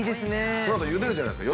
そのあとゆでるじゃないですか。